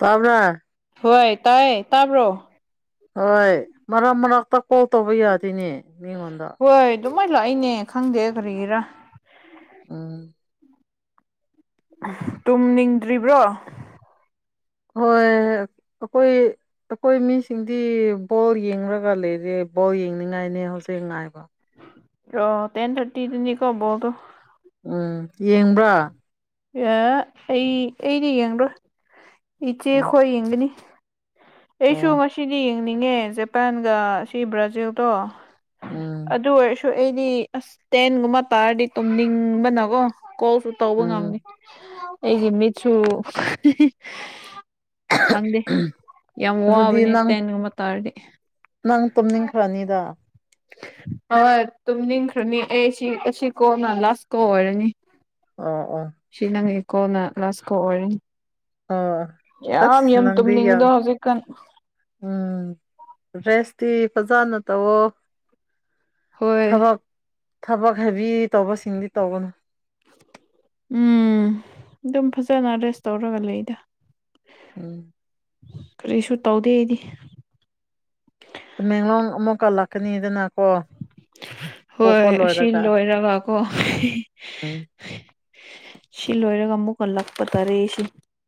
ꯄꯝ꯭ꯔ ꯍꯣꯏ ꯇꯥꯏ ꯇꯥꯕ꯭ꯔꯣ ꯍꯣꯏ ꯃꯔꯛ ꯃꯔꯛꯇ ꯀꯣꯜ ꯇꯧꯕ ꯌꯥꯗꯣꯏꯅꯦ ꯃꯤꯉꯣꯟꯗ ꯍꯣꯏ ꯑꯗꯨꯃꯥꯏꯅ ꯂꯥꯛꯏꯅꯦ ꯈꯪꯗꯦ ꯀꯔꯤꯒꯤꯔꯥ ꯎꯝ ꯇꯨꯝ ꯅꯤꯡꯗ꯭ꯔꯤꯕ꯭ꯔꯣ ꯍꯣꯏ ꯑꯩꯈꯣꯏ ꯑꯩꯈꯣꯏ ꯃꯤꯁꯤꯡꯗꯤ ꯕꯣꯜ ꯌꯦꯡꯔꯒ ꯂꯩꯔꯦ ꯕꯣꯜ ꯌꯦꯡꯅꯤꯡꯉꯥꯏꯅꯤ ꯍꯧꯖꯤꯛ ꯉꯥꯏꯕ ꯑꯣ ꯇꯦꯟ ꯊꯔꯇꯤꯗꯤꯅꯤ ꯀꯣꯕ ꯑꯗꯨꯣ ꯎꯝ ꯌꯦꯡꯕ꯭ꯔꯥ ꯑꯦ ꯑꯩ ꯑꯩꯗꯤ ꯌꯦꯡꯣꯏ ꯏꯆꯦ ꯑꯣ ꯈꯣꯏ ꯌꯦꯡꯒꯅꯤ ꯑꯩꯁꯨ ꯑꯣ ꯉꯁꯤꯗꯤ ꯌꯦꯡꯅꯤꯡꯉꯦ ꯖꯄꯥꯟꯒ ꯁꯤ ꯕ꯭ꯔꯥꯖꯤꯜꯗꯣ ꯎꯝ ꯑꯗꯨ ꯑꯣꯏꯔꯁꯨ ꯑꯩꯗꯤ ꯑꯁ ꯇꯦꯟꯒꯨꯝꯕ ꯇꯥꯔꯗꯤ ꯇꯨꯝꯅꯤꯡꯕꯅꯀꯣ ꯀꯣꯜꯁꯨ ꯇꯧꯕ ꯎꯝ ꯉꯝꯃꯤ ꯑꯩꯒꯤ ꯃꯤꯠꯁꯨ ꯈꯪꯗꯦ ꯌꯥꯝ ꯑꯗꯨꯗꯤ ꯋꯥꯕꯅꯦ ꯅꯪ ꯇꯦꯟꯒꯨꯝꯕ ꯇꯥꯔꯗꯤ ꯅꯪ ꯇꯨꯝꯅꯤꯡꯈ꯭ꯔꯅꯤꯗ ꯍꯣꯏ ꯇꯨꯝ ꯅꯤꯡꯈ꯭ꯔꯅꯤ ꯑꯩ ꯁꯤ ꯑꯁꯤ ꯀꯣꯅ ꯂꯥꯁ ꯀꯣ ꯑꯣꯏꯔꯅꯤ ꯑ ꯑꯣ ꯀꯣꯟꯅ ꯂꯥꯁ ꯀꯣ ꯑꯣꯏ ꯑꯣ ꯑꯁ ꯅꯪꯗꯤ ꯌꯥ ꯇꯨꯝꯅꯤꯡꯕꯗꯣ ꯍꯧꯖꯤꯛꯀꯥꯟ ꯎꯝ ꯔꯦꯁꯇꯤ ꯐꯖꯥꯅꯠꯇ ꯑꯣ ꯍꯣꯏ ꯊꯕꯛ ꯍꯥꯏꯕꯤ ꯇꯧꯕꯁꯤꯡꯗꯤ ꯇꯧꯒꯅꯨ ꯎꯝ ꯑꯗꯨꯝ ꯐꯖꯅ ꯔꯦꯁ ꯇꯧꯔꯒ ꯂꯩꯗ ꯎꯝ ꯀꯔꯤꯁꯨ ꯇꯧꯗꯦ ꯑꯩꯗꯤ ꯇꯃꯦꯡꯂꯣꯡ ꯑꯃꯨꯛꯀ ꯂꯥꯛꯀꯅꯤꯗꯅ ꯀꯣ ꯍꯣꯏ ꯑꯁꯤ ꯂꯣꯏꯔꯒꯀꯣ ꯑ ꯁꯤ ꯂꯣꯏꯔꯒ ꯑꯃꯨꯛ ꯍꯜꯂꯛꯄ ꯇꯥꯔꯦ ꯁꯤ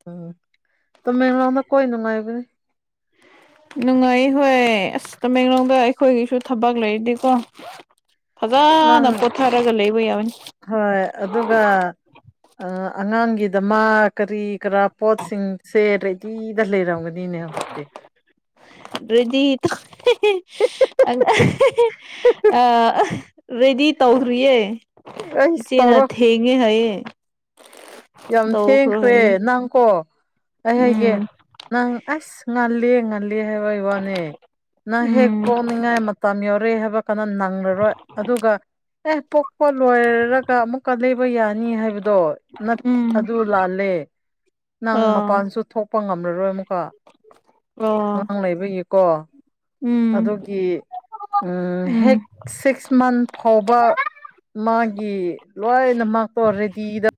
ꯎꯝ ꯇꯃꯦꯡꯂꯣꯡꯗ ꯀꯣꯏ ꯅꯨꯡꯉꯥꯏꯕꯅꯤ ꯅꯨꯡꯉꯥꯏ ꯍꯣꯏ ꯑꯁ ꯇꯃꯦꯡꯂꯣꯡꯗ ꯑꯩꯈꯣꯏꯒꯤꯁꯨ ꯊꯕꯛ ꯂꯩꯗꯤꯀꯣ ꯅꯪ ꯐꯖꯅ ꯄꯣꯊꯥꯔꯒ ꯂꯩꯕ ꯌꯥꯕꯅꯤ ꯑ ꯑꯉꯥꯡꯒꯤꯗ ꯃꯥ ꯀꯔꯤ ꯀꯔꯥ ꯄꯣꯠꯁꯤꯡꯁꯦ ꯔꯦꯗꯤꯗ ꯂꯩꯔꯝꯒꯅꯤ ꯅꯤꯅꯦ ꯍꯧꯖꯤꯛꯇꯤ [unintelligible] ꯔꯗꯤ ꯇ ꯑ ꯑ ꯔꯦꯗꯤ ꯇꯧꯈ꯭ꯔꯤꯌꯦ ꯑꯩꯁ ꯏꯆꯦꯅ ꯇꯧꯔꯣ ꯊꯦꯡꯉꯦ ꯍꯥꯏꯌꯦ ꯌꯥꯝ ꯇꯧꯈ꯭ꯔꯣ ꯊꯦꯡꯈ꯭ꯔꯦ ꯍꯥꯏꯌꯦ ꯅꯪꯀꯣ ꯑꯩ ꯍꯥꯏꯒꯦ ꯎꯝ ꯅꯪ ꯑꯁ ꯉꯜꯂꯤ ꯉꯜꯂꯤ ꯍꯥꯏꯕꯩ ꯋꯥꯅꯦ ꯅꯪ ꯍꯦꯛ ꯎꯝ ꯄꯣꯛꯅꯤꯡꯉꯥꯏ ꯃꯇꯝ ꯌꯥꯎꯔꯦ ꯍꯥꯏꯕ ꯀꯩꯅꯣ ꯅꯪꯂꯔꯣꯏ ꯑꯗꯨꯒ ꯑꯦ ꯄꯣꯛꯄ ꯂꯣꯏꯔꯒ ꯑꯃꯨꯛꯀ ꯕ ꯌꯥꯅꯤ ꯍꯥꯏꯕꯗꯣ ꯅꯠ ꯎꯝ ꯑꯗꯨ ꯂꯥꯜꯂꯦ ꯅꯪ ꯑꯣ ꯃꯄꯥꯟꯁꯨ ꯊꯣꯛ ꯊꯣꯛꯄ ꯉꯝꯂꯔꯣꯏ ꯑꯃꯨꯛꯀ ꯑꯣ ꯑꯉꯥꯡ ꯂꯩꯕꯒꯤꯀꯣ ꯎꯝ ꯑꯗꯨꯒꯤ ꯎꯝ ꯍꯦꯛ ꯁꯤꯛꯁ ꯃꯟ ꯐꯥꯎꯕ ꯃꯥꯒꯤ ꯂꯣꯏꯅ ꯃꯥꯛꯇꯣ ꯔꯦꯗꯤꯗ